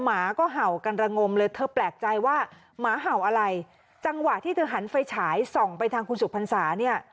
หมาก็เห่ากันระงมเลยเธอแปลกใจว่าหมาเห่าอะไรจังหวะที่เธอหันไฟฉายส่องไปทางคุณสุพรรษาเนี่ย